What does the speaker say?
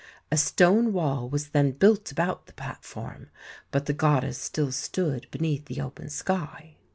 A stone wall was then built about the platform, but the goddess still stood beneath the open sky.